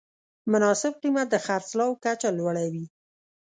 مناسب قیمت د خرڅلاو کچه لوړوي.